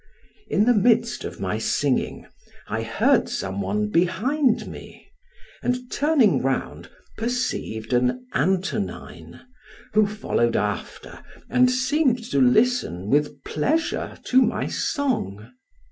In the midst of my singing, I heard some one behind me, and turning round perceived an Antonine, who followed after and seemed to listen with pleasure to my song.